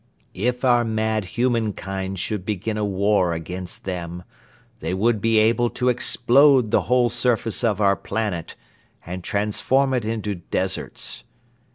If our mad humankind should begin a war against them, they would be able to explode the whole surface of our planet and transform it into deserts.